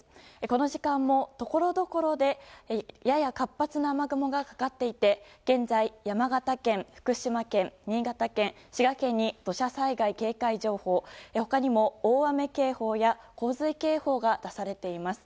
この時間もところどころでやや活発な雨雲がかかっていて現在、山形県、福島県新潟県、滋賀県に土砂災害警戒情報他にも大雨警報や洪水警報が出されています。